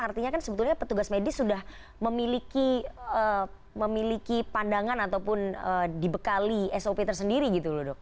artinya kan sebetulnya petugas medis sudah memiliki pandangan ataupun dibekali sop tersendiri gitu loh dok